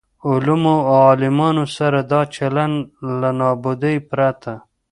علومو او عالمانو سره دا چلن له نابودۍ پرته.